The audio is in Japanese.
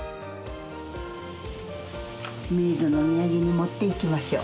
冥土の土産に持っていきましょう。